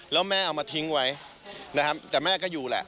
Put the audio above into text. แล้วแม่เอามาทิ้งไว้นะครับแต่แม่ก็อยู่แหละ